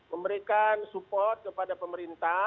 memberikan support kepada pemerintah